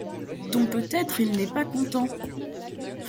Dont peut-être il n'est pas content !